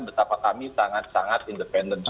betapa kami sangat sangat independen